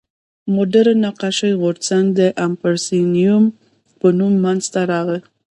مډرن نقاشي غورځنګ د امپرسیونیېم په نوم منځ ته راغی.